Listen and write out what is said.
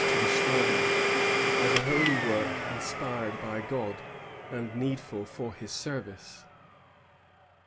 |"165a to destroy them, as a holy work inspired by God, and needful for his service.